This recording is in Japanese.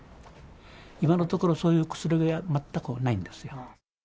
今のところ、そういう薬は全くないんですよ。